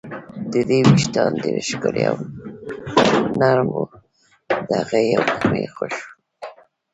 د دې وېښتان ډېر ښکلي او نرم وو، د هغې بوی مې خوښ و.